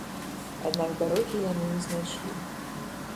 Аднак дарогі яны не знайшлі.